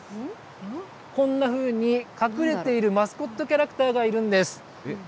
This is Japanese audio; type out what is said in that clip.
こんなふうに、隠れているマスコットキャラクターがいるんです。